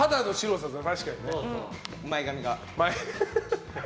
前髪が。